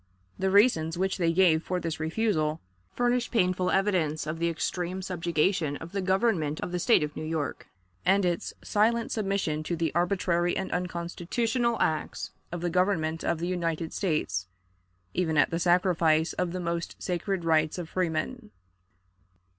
The reasons which they gave for this refusal furnish painful evidence of the extreme subjugation of the government of the State of New York, and its silent submission to the arbitrary and unconstitutional acts of the Government of the United States, even at the sacrifice of the most sacred rights of freemen.